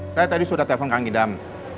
saya tadi sudah telpon kang idam